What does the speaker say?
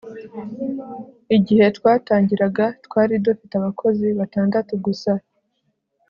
Igihe twatangiraga twari dufite abakozi batandatu gusa